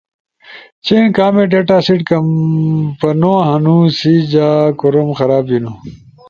چین کامک ڈیٹا سیٹ کمپنو ہنُو، سی جا کوروم خراب بیِنو۔